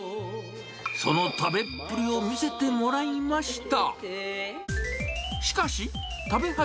その食べっぷりを見せてもらいました。